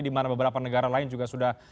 dimana beberapa negara lain juga sudah